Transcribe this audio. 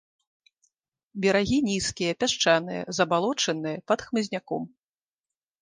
Берагі нізкія, пясчаныя, забалочаныя, пад хмызняком.